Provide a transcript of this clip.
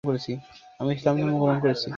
আমি ইসলাম ধর্ম গ্রহণ করেছি।